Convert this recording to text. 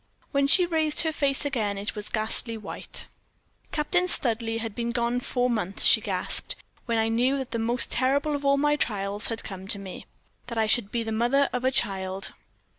When she raised her face again, it was ghastly white. "Captain Studleigh had been gone four months," she gasped, "when I knew that the most terrible of all my trials had come to me that I should be the mother of a child.